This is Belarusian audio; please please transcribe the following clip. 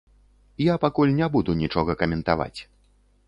Я пакуль не буду нічога каментаваць.